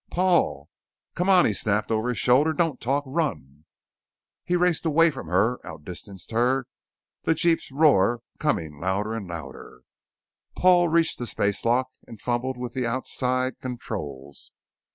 "Paul " "Come on," he snapped over his shoulder. "Don't talk run!" He raced away from her, outdistanced her; the jeep's roar coming louder and louder. Paul reached the spacelock and fumbled with the outside controls.